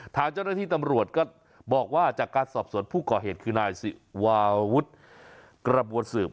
ทางเจ้าหน้าที่ตำรวจก็บอกว่าจากการสอบสวนผู้ก่อเหตุคือนายสิวาวุฒิกระบวนสืบ